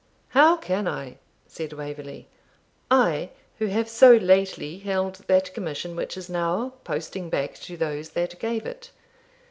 'How can I?' said Waverley; 'I, who have so lately held that commission which is now posting back to those that gave it?